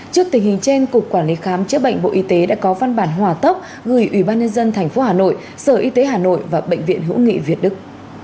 trước tình hình trên cục quản lý khám chữa bệnh bộ y tế đã có văn bản hòa tốc gửi ủy ban nhân dân tp hà nội sở y tế hà nội và bệnh viện hữu nghị việt đức